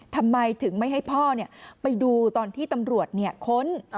ทำไมถึงไม่ให้พ่อไปดูตอนที่ตำรวจค้น